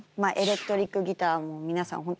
エレクトリックギターも皆さん